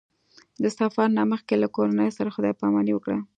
د سفر نه مخکې له کورنۍ سره خدای پاماني وکړه.